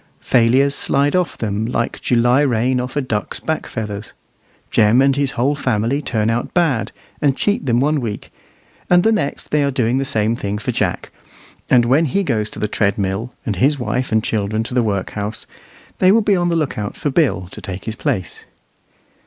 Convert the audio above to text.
Failures slide off them like July rain off a duck's back feathers. Jem and his whole family turn out bad, and cheat them one week, and the next they are doing the same thing for Jack; and when he goes to the treadmill, and his wife and children to the workhouse, they will be on the lookout for Bill to take his place.